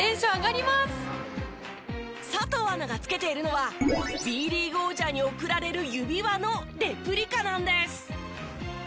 佐藤アナがつけているのはＢリーグ王者に贈られる指輪のレプリカなんです。